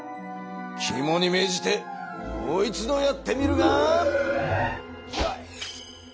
きもにめいじてもう一度やってみるがよい！